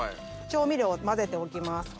調味料を混ぜておきます。